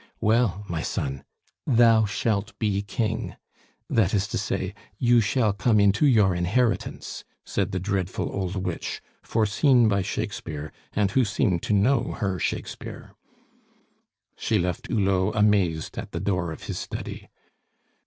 "Well, my son, thou shalt be King. That is to say, you shall come into your inheritance," said the dreadful old witch, foreseen by Shakespeare, and who seemed to know her Shakespeare. She left Hulot amazed at the door of his study.